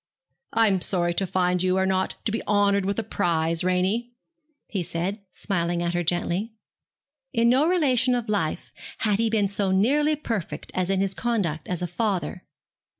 'I am sorry to find you are not to be honoured with a prize, Ranie,' he said, smiling at her gently. In no relation of life had he been so nearly perfect as in his conduct as a father.